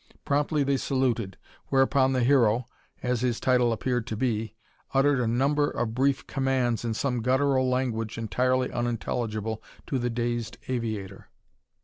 Promptly they saluted, whereupon the Hero as his title appeared to be uttered a number of brief commands in some guttural language entirely unintelligible to the dazed aviator.